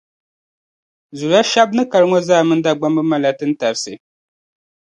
Zuliya shԑba n ni kali ŋᴐ zaa mini Dagbamba malila tintarisi